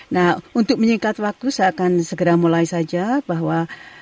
nah untuk menyingkat waktu saya akan segera mulai saja bahwa